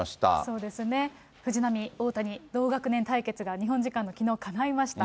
そうですね、藤浪・大谷同学年対決が、日本時間のきのう、かないました。